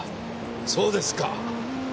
そうですか。